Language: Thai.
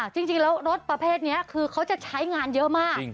จริงแล้วรถประเภทนี้คือเขาจะใช้งานเยอะมาก